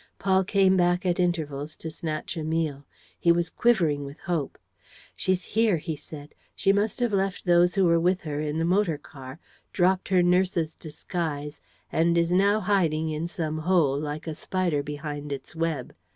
Paul came back at intervals to snatch a meal. He was quivering with hope. "She's here," he said. "She must have left those who were with her in the motor car, dropped her nurse's disguise and is now hiding in some hole, like a spider behind its web.